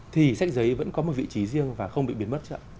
thì sách giấy vẫn có một vị trí riêng và không bị biến mất chưa ạ